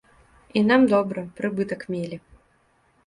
І нам добра, прыбытак мелі.